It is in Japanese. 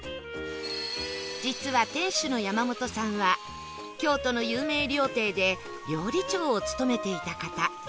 実は店主の山本さんは京都の有名料亭で料理長を務めていた方